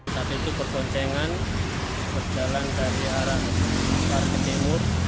saat itu berboncengan berjalan dari arah ke timur